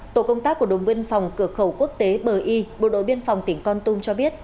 tổ công tác của đồng biên phòng cửa khẩu quốc tế bờ y bộ đội biên phòng tỉnh con tum cho biết